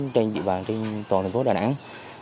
trên địa bàn trên toàn thành phố đà nẵng